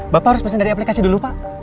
bapak harus pesan dari aplikasi dulu pak